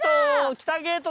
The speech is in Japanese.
北ゲート！